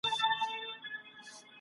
افغان کندهارى امان ترين الله داد